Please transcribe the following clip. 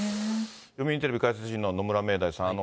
読売テレビ解説委員の野村明大さん。